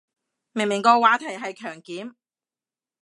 明明個話題係強檢